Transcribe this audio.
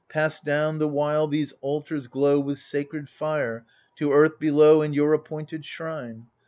Pass down, the while these altars glow With sacred fire, to earth below And your appointed shrine.